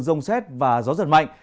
rồng xét và gió giật mạnh